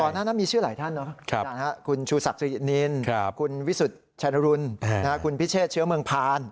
หน้านั้นมีชื่อหลายท่านเนอะคุณชูศักดินินคุณวิสุทธิ์ชัยนรุนคุณพิเชษเชื้อเมืองพาน